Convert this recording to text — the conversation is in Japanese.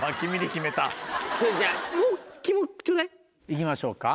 行きましょうか。